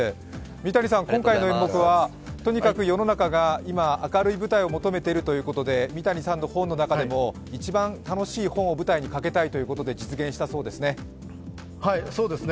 三谷さん、今回の演目はとにかく世の中が今、明るい舞台を求めているということで三谷さんの本の中でも一番楽しい本を舞台にかけたいということで実現したそうですね。